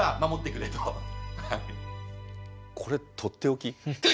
これ取って置き？